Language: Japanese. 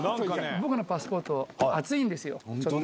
僕のパスポート、厚いんですよ、ちょっと。